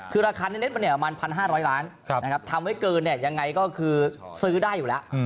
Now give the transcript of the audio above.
คือราคาเน็ตมาเนี่ยประมาณ๑๕๐๐ล้านนะครับทำไว้เกินเนี่ยยังไงก็คือซื้อได้อยู่แล้ว